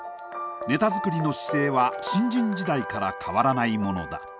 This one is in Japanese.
ネタ作りの姿勢は新人時代から変わらないものだ。